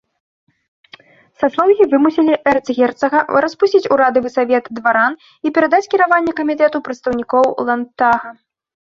Саслоўі вымусілі эрцгерцага распусціць урадавы савет дваран і перадаць кіраванне камітэту прадстаўнікоў ландтага.